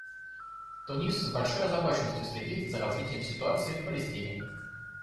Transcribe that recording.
Тунис с большой озабоченностью следит за развитием ситуации в Палестине.